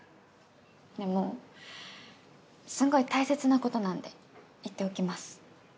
でもすんごい大切なことなんで言っておきます。